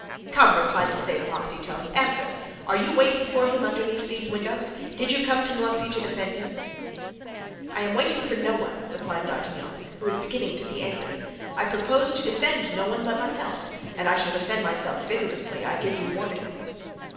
"Come," replied the same lofty tone, "answer! Are you waiting for him underneath these windows? Did you come to Noisy to defend him?" "I am waiting for no one," replied D'Artagnan, who was beginning to be angry. "I propose to defend no one but myself, and I shall defend myself vigorously, I give you warning."